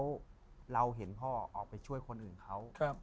แล้วเราเห็นพ่อออกไปช่วยคนอื่นเขา